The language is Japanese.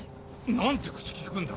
何て口きくんだ！